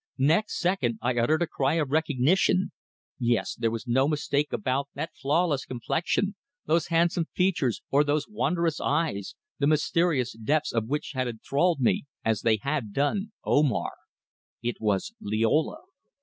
Next second I uttered a cry of recognition. Yes, there was no mistake about that flawless complexion, those handsome features or those wondrous eyes, the mysterious depths of which had enthralled me, as they had done Omar. It was Liola!